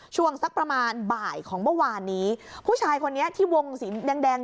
ช่วงสักประมาณบ่ายของเมื่อวานนี้ผู้ชายคนนี้ที่วงสีแดงแดง